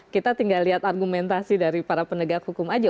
kita tinggal lihat argumentasi dari para penegak hukum aja